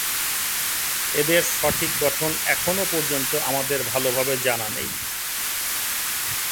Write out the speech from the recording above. এদের সঠিক গঠন এখনও পর্যন্ত আমাদের ভালোভাবে জানা নেই।